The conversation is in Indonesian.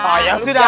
oh ya sudah